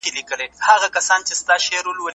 تاسو تر اوسه ډېر ګټور اثار څېړلي دي.